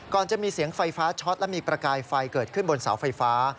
จะมีเสียงไฟฟ้าช็อตและมีประกายไฟเกิดขึ้นบนเสาไฟฟ้า